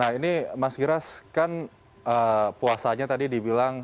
nah ini mas giras kan puasanya tadi dibilang